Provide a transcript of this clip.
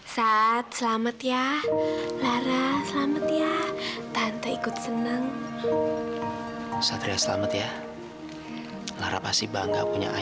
sampai jumpa di video selanjutnya